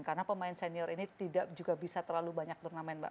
karena pemain senior ini tidak juga bisa terlalu banyak turnamen mbak